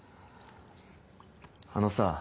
あのさ。